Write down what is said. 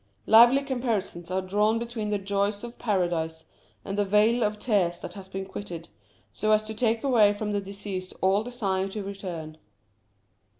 Lively comparisons are drawn between the joys of Paradise and the vale of tears that has been quitted, so as to take away from the deceased all desire to return.